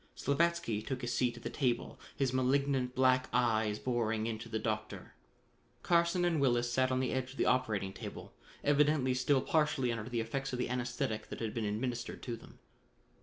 Slavatsky took his seat at the table, his malignant black eyes boring into the Doctor. Carson and Willis sat on the edge of the operating table, evidently still partially under the effects of the anesthetic that had been administered to them.